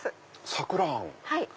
桜あん！